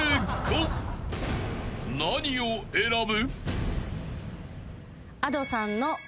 ［何を選ぶ？］